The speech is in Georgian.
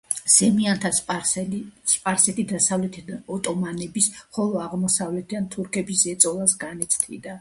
სეფიანთა სპარსეთი დასავლეთიდან ოტომანების, ხოლო აღმოსავლეთიდან თურქების ზეწოლას განიცდიდა.